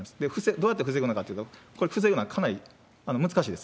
どうやって防ぐのかというと、これ、防ぐのはかなり難しいです。